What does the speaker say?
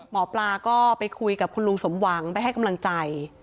หมอปลาก็ไปคุยกับคุณลุงสมหวังไปให้กำลังใจ